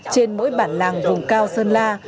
trên mỗi bản làng vùng cao sơn la